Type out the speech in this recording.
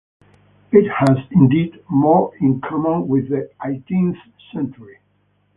It has, indeed, more in common with the eighteenth century.